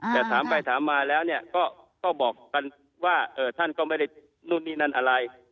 แต่ถามไปถามมาแล้วเนี่ยก็บอกกันว่าท่านก็ไม่ได้นู่นนี่นั่นอะไร